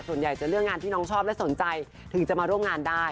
ส่วนใหญ่จะเรื่องงานที่น้องชอบและสนใจถึงจะมาร่วมงานได้